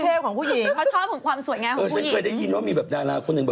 เออฉันเคยได้ยินว่ามีแบบดาราคุณหนึ่ง